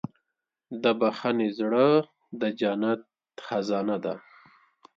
د بښنې زړه د جنت خزانه ده.